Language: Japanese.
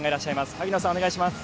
萩野さん、お願いします。